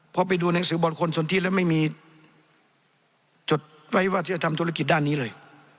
พอไปดูหนังสือบอลคนสนที่แล้วไม่มีจดไว้ว่าจะทำธุรกิจด้านนี้เลย